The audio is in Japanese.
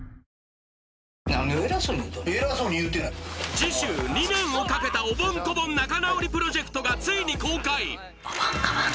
次週２年をかけたおぼん・こぼん仲直りプロジェクトがついに公開！